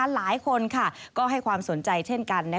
หลายคนก็ให้ความสนใจเช่นกัน